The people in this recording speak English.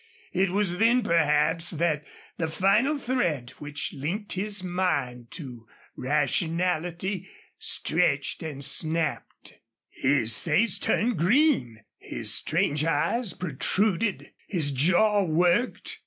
It was then, perhaps, that the final thread which linked his mind to rationality stretched and snapped. His face turned green. His strange eyes protruded. His jaw worked.